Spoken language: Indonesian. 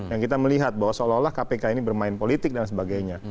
yang kita melihat bahwa seolah olah kpk ini bermain politik dan sebagainya